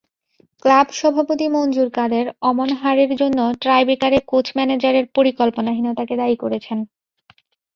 Club সভাপতি মনজুর কাদের অমন হারের জন্য টাইব্রেকারে কোচ-ম্যানেজারের পরিকল্পনাহীনতাকে দায়ী করেছেন।